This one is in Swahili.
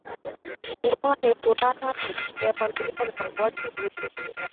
Ndowa ni furaha ya familia na kwa watu wa wili